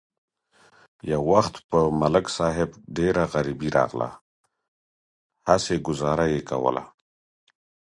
یو وخت په ملک صاحب ډېره غریبي راغله، هسې گذاره یې کوله.